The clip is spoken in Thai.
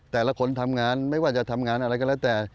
แต่ละคนทำงานไม่ว่าจะทำงานอะไรก็แล้วแต่